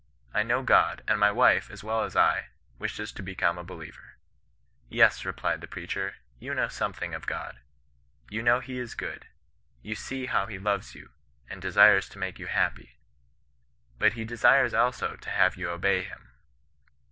I know God ; and my wife, as well as I, wishes to become a believer.' * Yes,' replied the preacher, * you know something of God. You know he is good ; you see how he loves you, and desires to make you happy ; but he desires also to have you obey him.'